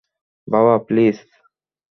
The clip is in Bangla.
বাবা, প্লিজ!